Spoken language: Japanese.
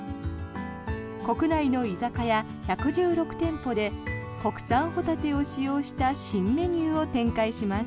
国内の居酒屋１１６店舗で国産ホタテを使用した新メニューを展開します。